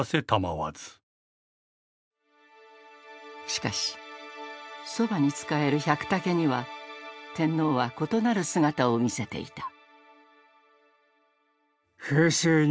しかしそばに仕える百武には天皇は異なる姿を見せていた。